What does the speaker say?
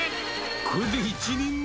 これで１人前。